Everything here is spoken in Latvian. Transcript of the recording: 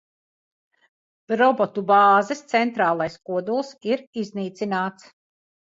Robotu bāzes centrālais kodols ir iznīcināts.